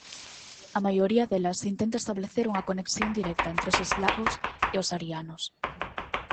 A maioría delas intenta establecer unha conexión directa entre os eslavos e os arianos.